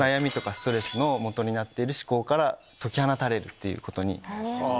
ストレスのもとになってる思考から解き放たれるっていうことに。